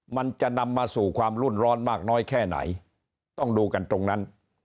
มันจะนำมาสู่ความรุ่นร้อนมากน้อยแค่ไหนต้องดูกันตรงนั้น